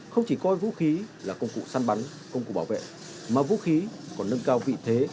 không chỉ coi vũ khí là công cụ săn bắn công cụ bảo vệ mà vũ khí còn nâng cao vị thế